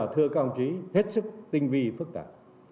thưa các ông chí hết sức tinh vi phức tạp